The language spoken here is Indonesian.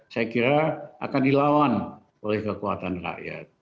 saya kira akan dilawan oleh kekuatan rakyat